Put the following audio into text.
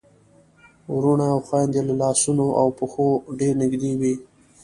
وروڼه او خويندې له لاسونو او پښو ډېر نږدې وي.